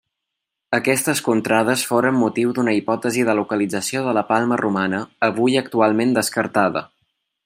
Aquestes contrades foren motiu d'una hipòtesi de localització de la Palma romana, avui actualment descartada.